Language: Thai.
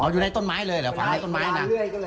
อยู่ในต้นไม้เลยเหรอฝังในต้นไม้นะ